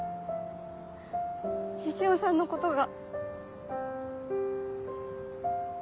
獅子王さんのことが。